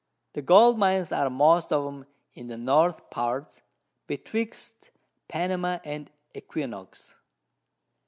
The Gold Mines are most of 'em in the North Parts, betwixt Panama and the Equinox.